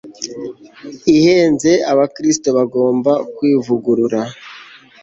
ihenze Abakristo bagomba kwivugurura